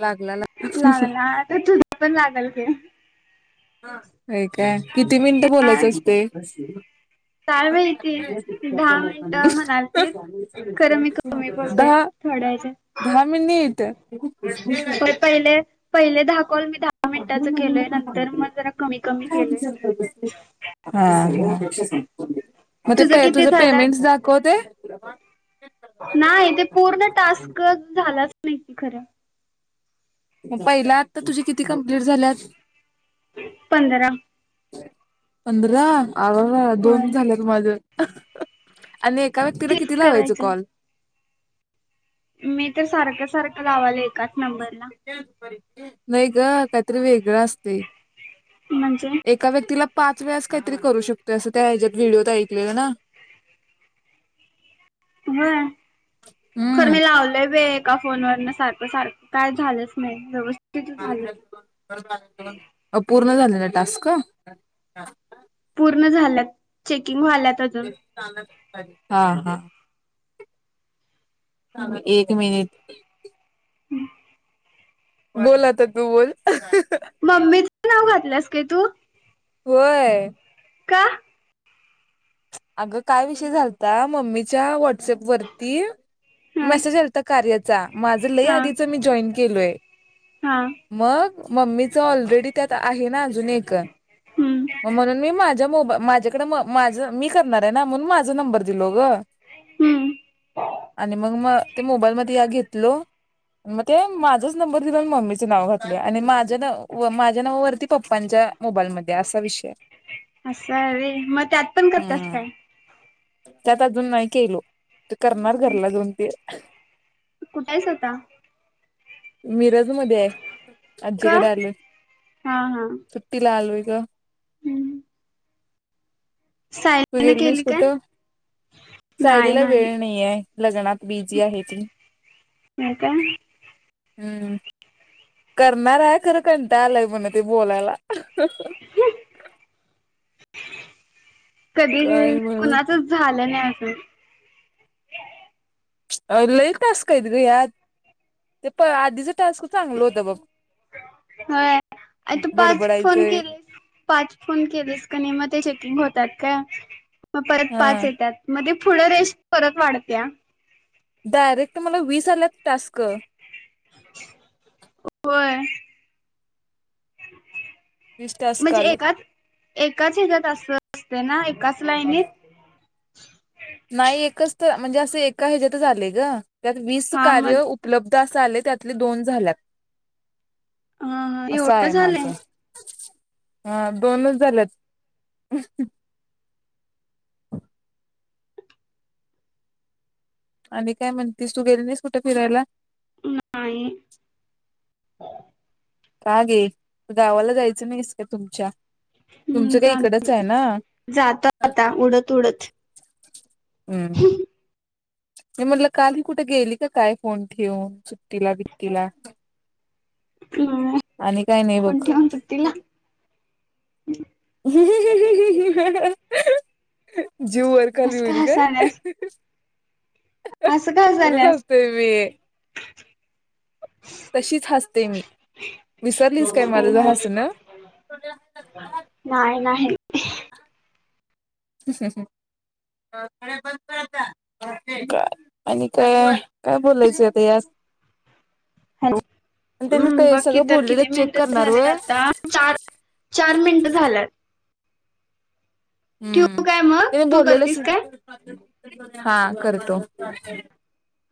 लागला होय लागणार तर तुझ पण लागल की होय काय किती मिनिटं हा बोलायच असतय. काय माहिती दहा मिनट म्हणालते खरं मी कमी बोललोय दहा थोड्या दहा मिनिट पहिले पहिले दहा कॉल मी दहा मिनिटाच केलोय नंतर मग जरा कमी कमी केलोय हा. मग ते पे किती तुझं झाल्यात पेमेंटस दाखवतेय? [unintelligible] नाही ते पूर्ण टास्क झाला. [unintelligible] खर मग पहिला आता तुझी किती कंप्लीट झाल्यात? पंधरा. पंधरा! आग दोन होय झालेत माझ. [unintelligible] आणि एका व्यक्तीला तीस किती लावायच करायचे कॉल? आहेत मी तर सारख सारख लावाले एका [unintelligible] नाही ग काय तरी वेग गळ असतय. म्हणजे एका व्यक्तीला, पाच वेळेस काहीतरी करू शकतोय. असं त्या ह्याच्यात व्हिडिओत ऐकलेलं ना. व्हय, खर मी हम्म लावलय [unintelligible] का फोन व न सारखं -सारखं काय झालंच नाही व्यवस्थ [unintelligible] पूर्ण झाले न टास्क. [unintelligible] पूर्ण झाल्यात, चेकिंग व्हायल्यात. [unintelligible] हा हा एक मिनिट. बोल आता तू बोल. मम्मीच नाव घातल्यास काय तू. होय. का. अग काय विषय झालता मम्मीच्या व. वॉटसअप वरती हा मेसेज आलता कार्याचा. माझं लय हा आधीच मी जॉईन केलोय. हा मग? मम्मी ऑलरेडी त्यात आहे ना अजून एक हम्म म्हणून मी माझ्या. [unintelligible] मी करणारयं ना म्हणून माझा नंबर दिलो गं. हम्म आणि मग म ते मोबाईल मध्ये या घेत घेतलो मग ते माझाच नंबर दिला मम्मीच नाव घातलो, आणि माझ्या माझ्या नावावरती पप्पांच्या मोबाईलमध्ये असा विषय. असय वय म त्यात पण करत्यास हम्म काय? त्यात अजून नाही केलो ते करणार घरला जाऊन ते तु कुठंस आता मिरजमध्येय आहे का आजीकडं आलोय हा हा सुट्टीला आलोय ग हम्म तू सायलीन गेली नाहीस केली काय कुठं नाही सायलीला नाही वेळ नाइये लग्नात बीजी आहे ती व्हय काय हम्म करणारयं खरं कंटाळ आलाय म्हणं ते बोलायला अ ह ह कधी बी म्हण कुणाचच झालं नाय हम्म अ लई टास्क हाईत ग ह्यात बघ होय आ तू पाच फोन बडबडायचंय केलीस पाच फोन केलीस कनय म ते चेकिंग होत त्यात काय म परत हा पाच येत्यात म ते पुढं रेश परत वाढत्या डायरेक्ट मला वीस आल्यात टास्क होय वीस [inaudible] टास्क म्हणजे आल्यात एकात एकाच हज्यात असं ते ना एकाच लाईनीत नाही एकच तर म्हणजे असं एका ह्याजात आलंय ग त्यात वीस हा मग कार्य उपलब्ध अस चाले त्यातले दोन झाल्यात हा हा असं एवढं आहे झालंय माझं हा दोनच झालेत आणि काय म्हणतीस तू गेली नाइस कुठे फिरायला नाही का गे गावाला जायचं नाइस का तुमच्या हम तुमचं काय जाण इकडच आहे ना हम्म जातो आता उडत उडत नाय म्हणलं काल ही कुठ गेली की काय फोन ठेवून सुट्टीला बिट्टिला काय फोन ठेऊन सुट्टीला हु हु हु हु हु ह ह जीव वर खाली असं का होईल ग अ हसाल्यास हं असं का तसच हसाल्यास हसतोय मी तशीच हसते मी विसरलीस काय माझ हसण नाही, नाही. [unintelligible] काय, आणी काय, काय बोलायच आता यास. हॅलो आणि त्यांनी हूं ते बाकी सगळं तर बोललेलं किती चेक मिनिट करणार झाली, होय आता चार, चार मिनिट झाल्यात. ठेवू हूं काय मग त्यांन तू बोललेलंस. करतीस काय हा करतो.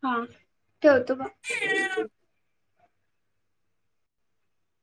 हा ठेवतो म!